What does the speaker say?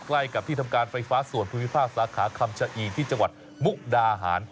ใกล้กับที่ทำการไฟฟ้าส่วนภูมิภาคสาขาคำชะอีที่จังหวัดมุกดาหาร